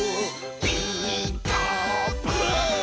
「ピーカーブ！」